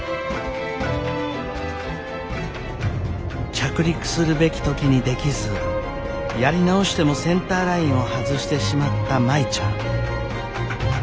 着陸するべき時にできずやり直してもセンターラインを外してしまった舞ちゃん。